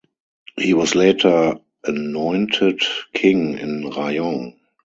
He was later anointed "King" in Rayong.